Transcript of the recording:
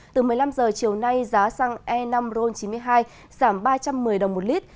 từ một mươi năm h chiều nay giá xăng e năm ron chín mươi hai giảm ba trăm một mươi đồng một lít